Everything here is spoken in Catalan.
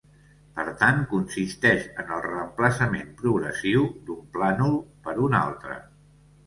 Per tant, consisteix en el reemplaçament progressiu d'un plànol per un altre.